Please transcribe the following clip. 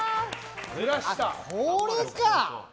これか。